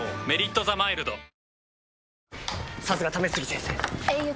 「メリットザマイルド」